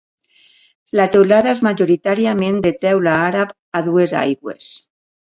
La teulada és majoritàriament de teula àrab a dues aigües.